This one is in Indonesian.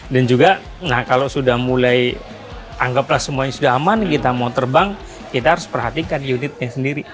dan juga kalau sudah mulai anggaplah semuanya sudah aman kita mau terbang kita harus perhatikan unitnya sendiri